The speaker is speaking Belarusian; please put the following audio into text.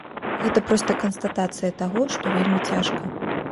Гэта проста канстатацыя таго, што вельмі цяжка.